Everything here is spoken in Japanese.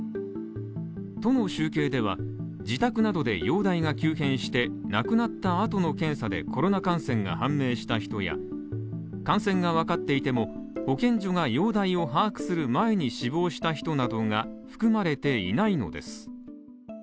都の集計では自宅などで容体が急変して亡くなったあとの検査でコロナ感染が判明した人や、感染が分かっても、保健所が容体を把握する前に死亡した人などが含まれていないのです。